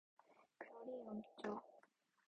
별일 없죠?